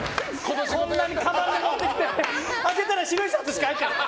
こんなにかばんで持ってきて開けたら白いシャツしか入ってない。